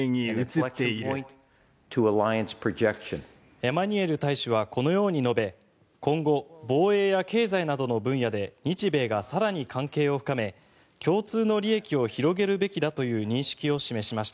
エマニュエル大使はこのように述べ今後、防衛や経済などの分野で日米が更に関係を深め共通の利益を広げるべきだという認識を示しました。